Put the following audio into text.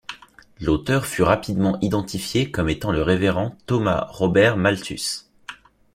L'auteur fut rapidement identifié comme étant le révérend Thomas Robert Malthus.